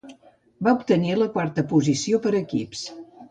Va obtenir la quarta posició per equips.